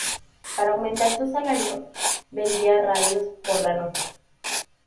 Para aumentar su salario, vendía radios por la noche.